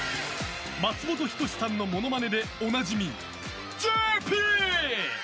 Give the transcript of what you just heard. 松本人志さんのものまねでおなじみ、ＪＰ。